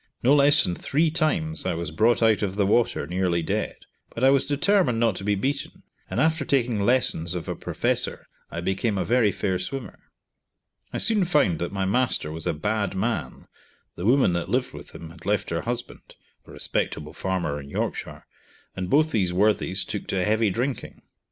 No less than three times I was brought out of the water nearly dead; but I was determined not to be beaten, and after taking lessons of a professor I became a very fair swimmer. I soon found that my master was a bad man, the woman that lived with him had left her husband (a respectable farmer in Yorkshire), and both these worthies took to heavy drinking.